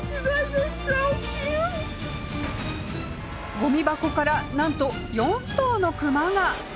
ゴミ箱からなんと４頭のクマが！